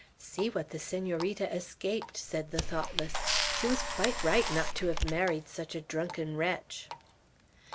"See what the Senorita escaped!" said the thoughtless. "She was quite right not to have married such a drunken wretch."